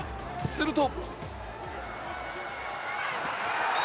すると。